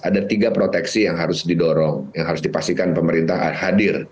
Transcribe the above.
ada tiga proteksi yang harus didorong yang harus dipastikan pemerintah hadir